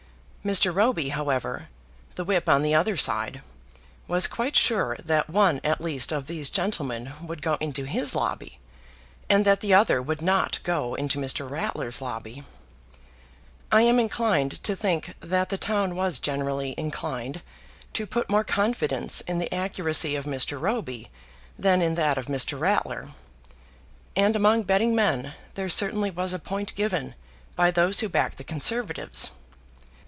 Mr. Roby, however, the whip on the other side, was quite sure that one at least of these gentlemen would go into his lobby, and that the other would not go into Mr. Ratler's lobby. I am inclined to think that the town was generally inclined to put more confidence in the accuracy of Mr. Roby than in that of Mr. Ratler; and among betting men there certainly was a point given by those who backed the Conservatives.